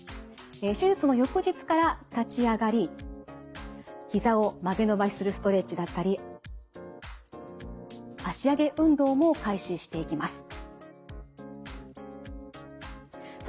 手術の翌日から立ち上がりひざを曲げ伸ばしするストレッチだったり脚上げ運動も開始していきます。